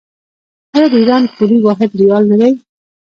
آیا د ایران پولي واحد ریال نه دی؟